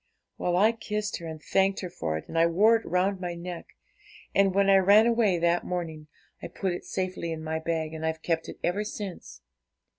'Well, I kissed her, and thanked her for it, and I wore it round my neck; and when I ran away that morning, I put it safely in my bag, and I've kept it ever since.